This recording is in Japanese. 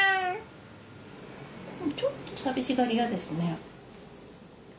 ちょっと寂しがり屋ですね。